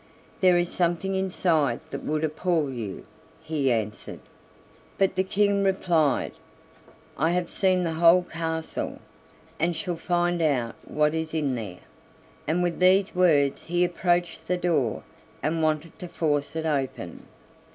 "There is something inside that would appall you," he answered. But the King replied: "I have seen the whole castle, and shall find out what is in there"; and with these words he approached the door and wanted to force it open.